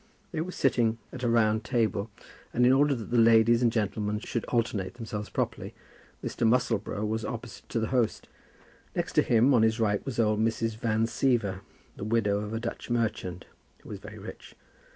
They were sitting at a round table, and in order that the ladies and gentlemen should alternate themselves properly, Mr. Musselboro was opposite to the host. Next to him on his right was old Mrs. Van Siever, the widow of a Dutch merchant, who was very rich.